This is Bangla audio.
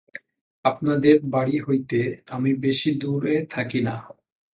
আপনাদের বাড়ি হইতে আমি বেশি দূরে থাকি না।